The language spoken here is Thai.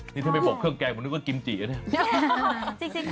นี่ถ้าไปปกเครื่องแกงว่านึกว่ากิมก์จิกจริง